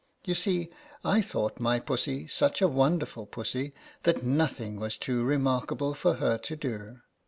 You see I thought my Pussy such a wonderful Pussy that nothing was too re markable for her to do.